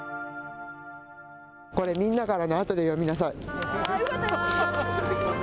これ、みんなからの、あとで読みなさい。